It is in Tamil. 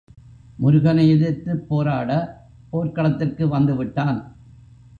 முருகனை எதிர்த்துப் போராடப் போர்க்களத்திற்கு வந்துவிட்டான்.